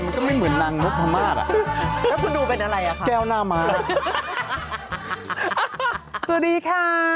ขอให้มีหน้าคุณหนุนด้วยค่ะ